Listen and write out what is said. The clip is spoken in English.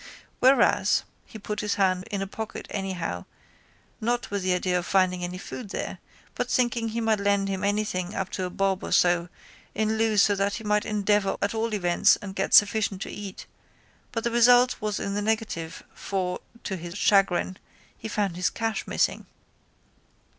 Whereas. He put his hand in a pocket anyhow not with the idea of finding any food there but thinking he might lend him anything up to a bob or so in lieu so that he might endeavour at all events and get sufficient to eat but the result was in the negative for, to his chagrin, he found his cash missing.